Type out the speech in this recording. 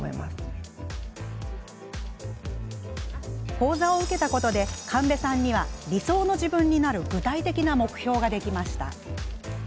講座を受けたことで神戸さんには理想の自分になる具体的な目標ができました。